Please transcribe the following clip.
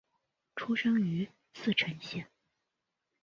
出身于茨城县。